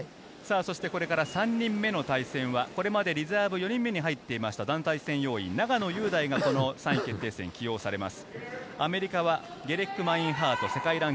これから３人目の対戦はこれまでリザーブ、４人目に入っていました団体戦要員、永野雄大が３位決定戦に起用されます。